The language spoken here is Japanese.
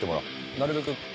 なるべく。